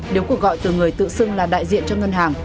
nếu cuộc gọi từ người tự xưng là đại diện cho ngân hàng